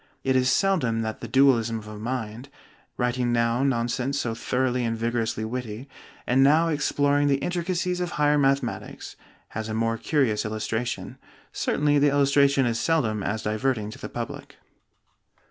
It is seldom that the dualism of a mind writing now nonsense so thoroughly and vigorously witty, and now exploring the intricacies of higher mathematics has a more curious illustration. Certainly the illustration is seldom as diverting to the public.